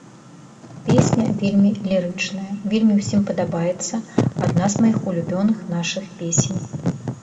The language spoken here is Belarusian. Песня вельмі лірычная, вельмі ўсім падабаецца, адна з маіх улюбёных нашых песень.